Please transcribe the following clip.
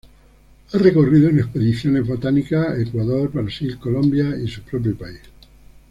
Ha recorrido en expediciones botánicas a Ecuador, Brasil, Colombia, y su propio país.